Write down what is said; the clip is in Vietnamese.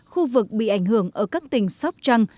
khu vực bị ảnh hưởng ở các tỉnh sóc trăng